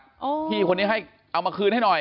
พี่คนนี้ให้เอามาคืนให้หน่อย